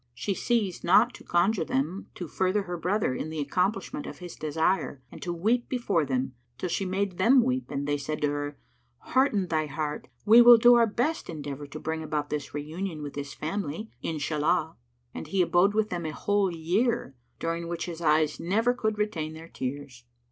She ceased not to conjure them to further her brother in the accomplishment of his desire and to weep before them, till she made them weep and they said to her, "Hearten thy heart: we will do our best endeavour to bring about his reunion with his family, Inshallah!" And he abode with them a whole year, during which his eyes never could retain their tears.